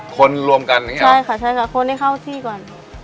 คนรวมกันใช่ก่อนใช่คนให้เข้าที่ก่อน